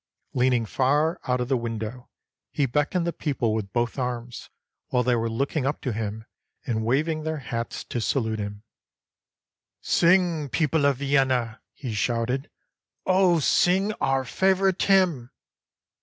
Leaning far out of the window, he beckoned the people with both arms, while they were looking up to him and waving their hats to salute him. 342 HOW THE FRENCH HONORED HAYDN "Sing, people of Vienna!" he shouted, "oh, sing our favorite hymn!"